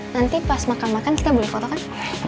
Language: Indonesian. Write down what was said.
nanti pas makan makan kita boleh fotokan